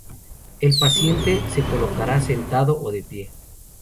El paciente se colocará sentado o de pie.